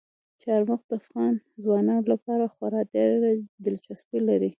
چار مغز د افغان ځوانانو لپاره خورا ډېره دلچسپي لري.